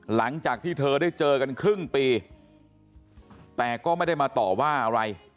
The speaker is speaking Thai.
หลังจากที่เธอได้เจอกันครึ่งปีแต่ก็ไม่ได้มาต่อว่าอะไร